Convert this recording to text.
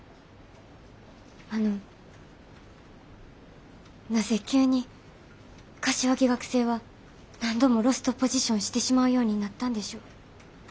あのなぜ急に柏木学生は何度もロストポジションしてしまうようになったんでしょう。